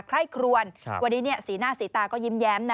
ใคร่ครวนวันนี้สีหน้าสีตาก็ยิ้มแย้มนะ